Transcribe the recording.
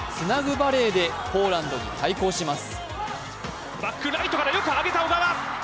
バレーでポーランドに対抗します。